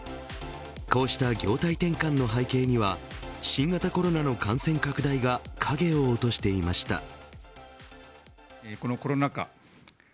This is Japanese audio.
こうした業態転換の背景には新型コロナの感染拡大が影を落としていました。